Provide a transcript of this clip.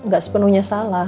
gak sepenuhnya salah